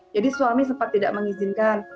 jadi suami sempat tidak mengizinkan